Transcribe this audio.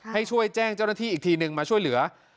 ให้ช่วยแจ้งเจ้าหน้าที่อีกทีนึงมาช่วยเหลือ